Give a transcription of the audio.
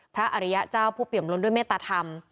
อริยะเจ้าผู้เปี่ยมล้นด้วยเมตตาธรรม